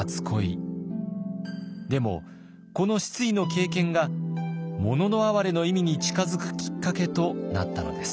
でもこの失意の経験が「もののあはれ」の意味に近づくきっかけとなったのです。